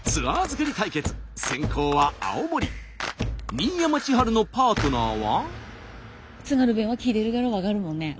新山千春のパートナーは。